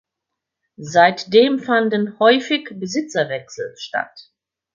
Seitdem fanden häufig Besitzerwechsel statt.